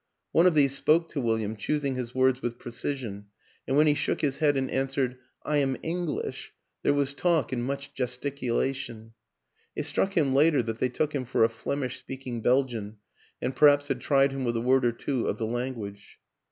One of these spoke to William, choosing his words with precision; and when he shook his head and answered, " I am English," there was talk and much gesticulation. (It struck him later that they took him for a Flemish speaking Belgian and perhaps had tried him with a word or two of the language.)